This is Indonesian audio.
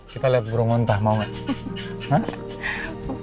kita liat burung ontah mau gak